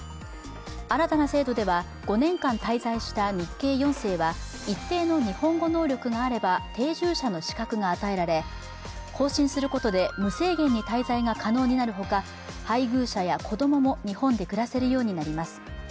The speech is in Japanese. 新たな制度では、５年間滞在した日系４世は一定の日本語能力があれば定住者の資格が与えられ更新することで無制限に滞在が可能になるほか、配偶者や子供も日本で暮らせるようになります。